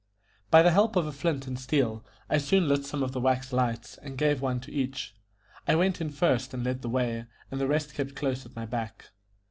By the help of a flint and steel I soon lit some of the wax lights, and gave one to each. I went in first and led the way, and the rest kept close at my back.